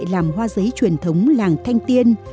làm hoa giấy truyền thống làng thanh tiên